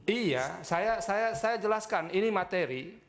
iya saya jelaskan ini materi